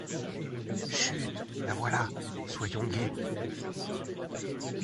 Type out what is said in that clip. Chut ! la voilà ! soyons gais !